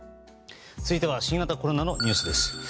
続いては新型コロナのニュースです。